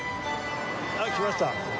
あっ来ました。